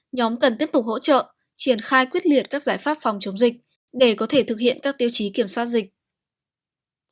nhóm cần tiếp tục hỗ trợ triển khai quyết liệt các giải pháp phòng chống dịch để có thể thực hiện các tiêu chí kiểm soát dịch